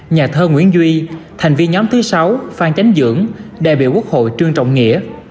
nhà thơ nguyễn duy thành viên nhóm thứ sáu phan chánh dưỡng đại biểu quốc hội trương trọng nghĩa